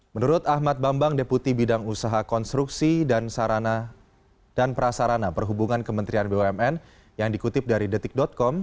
menurut ahmad bambang deputi bidang usaha konstruksi dan prasarana perhubungan kementerian bumn yang dikutip dari detik com